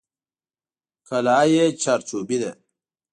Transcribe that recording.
قلعه یې چارچوبي ده.